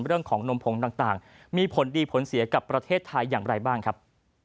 เรื่องของนมผงต่างมีผลดีผลเสียกับประเทศไทยอย่างไรบ้างครับ